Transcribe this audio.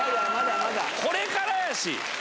これからやし！